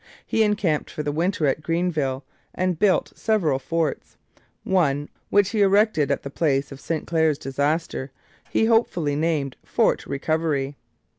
He encamped for the winter at Greenville and built several forts: one, which he erected at the place of St Clair's disaster, he hopefully named Fort Recovery.